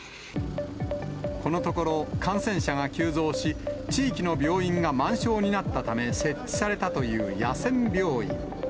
このところ、感染者が急増し、地域の病院が満床になったため、設置されたという野戦病院。